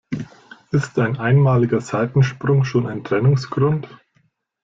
Ist ein einmaliger Seitensprung schon ein Trennungsgrund?